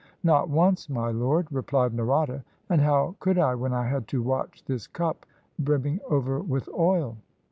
"Not once, my Lord," replied Narada, "and how could I when I had to watch this cup brimming over with oil?"